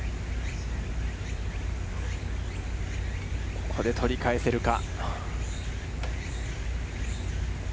ここで取り返せるか。